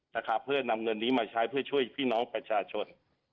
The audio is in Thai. นะครับเพื่อนำเงินนี้มาใช้เพื่อช่วยพี่น้องประชาชน